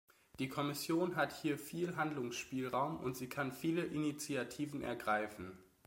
Die Kommission hat hier viel Handlungsspielraum, und sie kann viele Initiativen ergreifen.